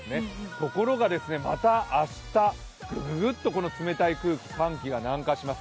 ところが、また明日、ぐぐっとこの冷たい空気、寒気が南下します